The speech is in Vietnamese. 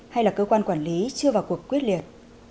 hay là cơ quan quản lý chưa vào cuộc quyết liệt